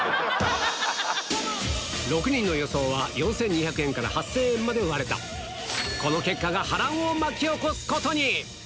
６人の予想は４２００円から８０００円まで割れたこの結果が波乱を巻き起こすことに！